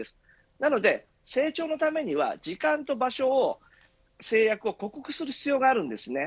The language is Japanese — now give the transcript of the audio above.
なので成長のためには時間と場所を制約を克服する必要があります。